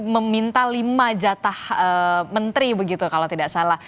meminta lima jatah menteri begitu kalau tidak salah